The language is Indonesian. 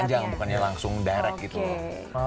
jangka panjang bukannya langsung direct gitu